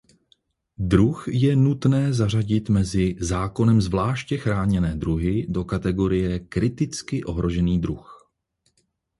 Druh je nutné zařadit mezi zákonem zvláště chráněné druhy do kategorie kriticky ohrožený druh.